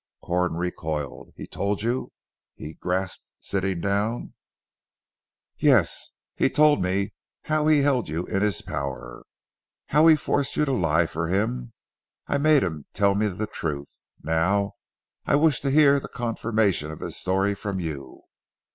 Corn recoiled. "He told you," he grasped sitting down. "Yes. He told me how he had you in his power; how he forced you to lie for him. I made him tell me the truth; now I wished to hear the confirmation of this story from you."